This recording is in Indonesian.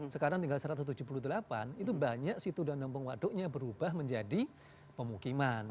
sekarang tinggal satu ratus tujuh puluh delapan itu banyak situ danampung waduknya berubah menjadi pemukiman